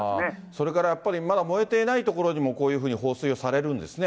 それからやっぱり、まだ燃えていない所にもこういうふうに放水をされるんですね。